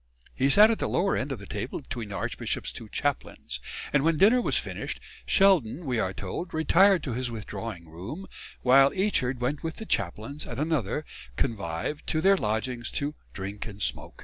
He sat at the lower end of the table between the archbishop's two chaplains; and when dinner was finished, Sheldon, we are told, retired to his withdrawing room, while Eachard went with the chaplains and another convive to their lodgings "to drink and smoak."